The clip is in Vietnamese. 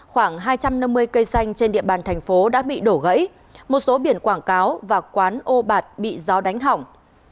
khoảng hai trăm năm mươi cây xanh trên địa bàn thành phố đã bị đổ gãy một số biển quảng cáo và quán ô bạt bị gió đánh hỏng